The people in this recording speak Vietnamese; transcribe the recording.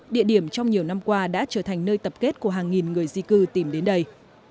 địa điểm trong nhiều năm qua đã trở thành nơi tập kết của hàng nghìn người di cư tìm đến đây